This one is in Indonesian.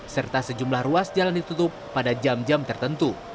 serta sejumlah ruas jalan ditutup pada jam jam tertentu